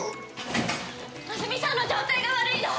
真澄さんの状態が悪いの！